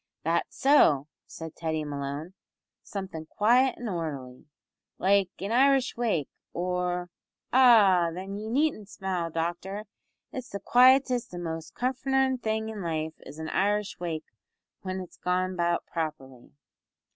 "That's so," said Teddy Malone, "somethin' quiet an' orderly, like an Irish wake, or . Ah! then ye needn't smile, doctor. It's the quietest an' most comfortin' thing in life is an Irish wake whin it's gone about properly."